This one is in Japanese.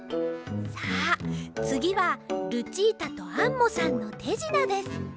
さあつぎはルチータとアンモさんのてじなです。